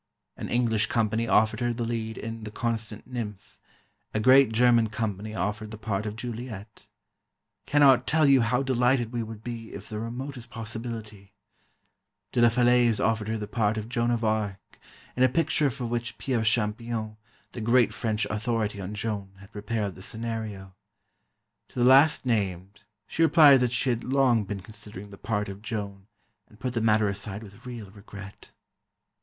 An English company offered her the lead in "The Constant Nymph"; a great German company offered the part of Juliet: "Cannot tell you how delighted we should be, if the remotest possibility"; de la Falaise offered her the part of Joan of Arc, in a picture for which Pierre Champion, the great French authority on Joan, had prepared the scenario. To the last named, she replied that she had long been considering the part of Joan, and put the matter aside with real regret.